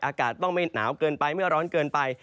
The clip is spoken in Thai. อากาศต้องไม่หนาวเกินไปเมื่อร้อนเกินไป